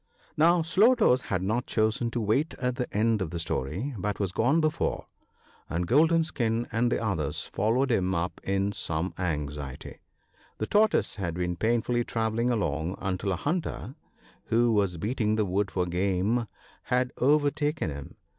Now Slow toes had not chosen to wait the end of the story, but was gone before, and Golden skin and the others followed him up in some anxiety. The Tortoise had been painfully travelling along, until a hunter, who was beating the wood for game, had overtaken him.